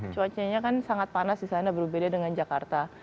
cuacanya kan sangat panas di sana berbeda dengan jakarta